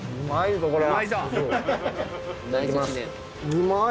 うまい！